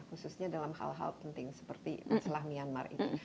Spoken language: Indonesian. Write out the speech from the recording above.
khususnya dalam hal hal penting seperti masalah myanmar ini